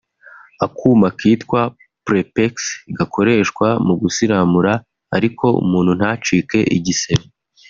Akuma kitwa Pre Pex gakoreshwa mu gusiramura ariko umuntu ntacike igisebe